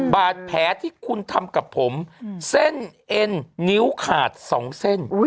บาดแผลที่คุณทำกับผมเส้นเอ็นนิ้วขาด๒เส้น